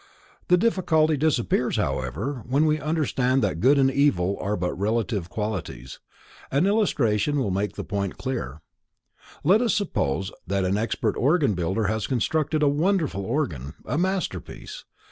The difficulty disappears, however, when we understand that good and evil are but relative qualities. An illustration will make the point clear:—Let us suppose that an expert organ builder has constructed a wonderful organ, a masterpiece.